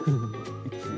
一応。